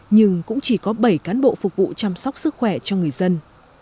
nhưng cũng chỉ có bảy cán bộ phục vụ chăm sóc sức khỏe cho người dân